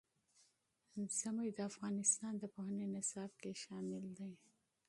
ژمی د افغانستان د پوهنې نصاب کې شامل دي.